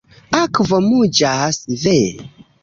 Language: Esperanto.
Akvo muĝas, ve.